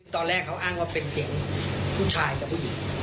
ตอนแรกเขาอ้างว่าเป็นเสียงผู้ชายกับผู้หญิง